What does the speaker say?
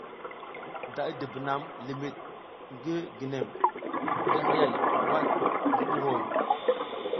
Da i dibunam limid ngi ginew ngi hayay wad ngi buhoy.